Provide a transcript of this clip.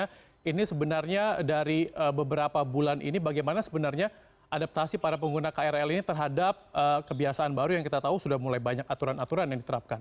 karena ini sebenarnya dari beberapa bulan ini bagaimana sebenarnya adaptasi para pengguna krl ini terhadap kebiasaan baru yang kita tahu sudah mulai banyak aturan aturan yang diterapkan